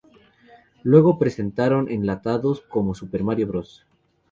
Luego presentaron enlatados como "Super Mario Bros.